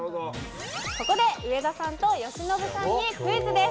ここで上田さんと由伸さんにクイズです。